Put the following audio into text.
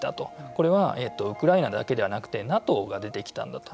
これはウクライナだけではなくてＮＡＴＯが出てきたんだと。